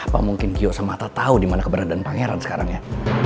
apa mungkin kiyo samata tau dimana keberadaan pangeran sekarang ya